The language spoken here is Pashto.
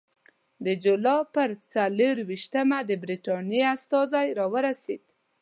د جولای پر څلېرویشتمه د برټانیې استازی راورسېد.